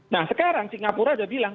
nah sekarang singapura sudah bilang